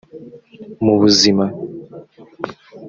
mu buzima